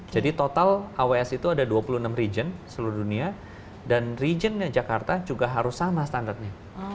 jadi total aws itu ada dua puluh enam region seluruh dunia dan regionnya jakarta juga harus sama standarnya